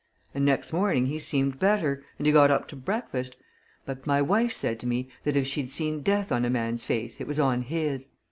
And next morning he seemed better, and he got up to breakfast but my wife said to me that if she'd seen death on a man's face it was on his!